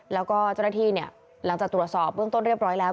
แล้วก็เจ้าหน้าที่เนี่ยหลังจากตรวจสอบเบื้องต้นเรียบร้อยแล้ว